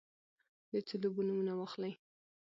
د څو لوبو نومونه واخلی ؟